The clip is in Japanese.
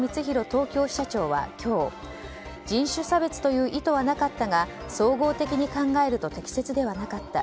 東京支社長は今日人種差別という意図はなかったが総合的に考えると適切ではなかった。